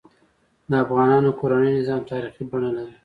د افغانانو کورنۍ نظام تاریخي بڼه لري.